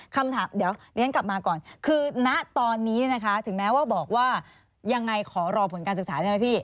คำถามเดี๋ยวเรียนกลับมาก่อนคือณตอนนี้นะคะถึงแม้ว่าบอกว่ายังไงขอรอผลการศึกษาใช่ไหมพี่